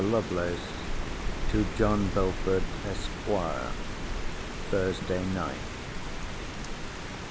LOVELACE, TO JOHN BELFORD, ESQ. THURSDAY NIGHT.